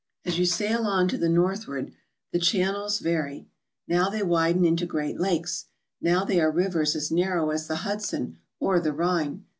As you sail on to the northward the channels vary. Now they widen into great lakes, now they are rivers as narrow as the Hudson or the Rhine.